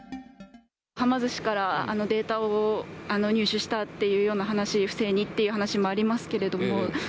はま寿司からデータを入手したっていうような話、不正にっていう話もありますけども。